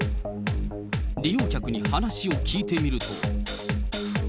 利用客に話を聞いてみると。